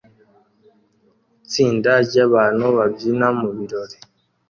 Itsinda ryabantu babyina mubirori